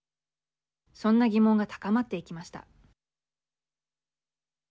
そんな疑問が高まっていきました。